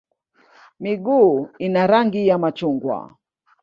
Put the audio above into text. Miguu ina rangi ya machungwa.